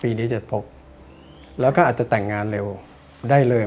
ปีนี้จะพบแล้วก็อาจจะแต่งงานเร็วได้เลย